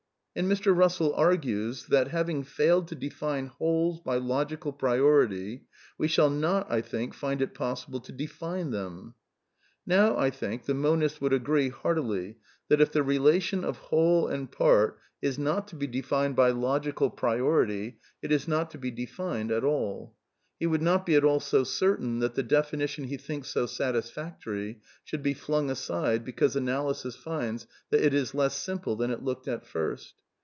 And Mr. Bussell argues that, '^ having failed to define ^. ^wholes by logical priority, we shall not, I think, find it \ possible to define them." Now, I think, the monist would agree heartily that if the relation of whole and part is not to be defined by logi THE NEW REALISM 185 cal priority, it is not to be defined at all. He would not be at all so certain that the definition he thinks so satis factory should be flung aside because analysis finds that it is less simple than it looked at first.